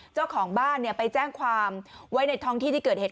เจ้าของบ้านไปแจ้งความไว้ในท้องที่ที่เกิดเหตุ